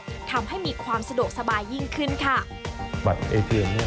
ทำให้มีความสะดวกสบายยิ่งขึ้นค่ะ